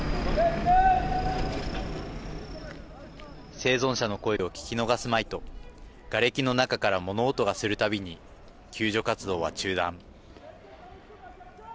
生存者の声を聞き逃すまいとがれきの中から物音がする度に救助活動は中断。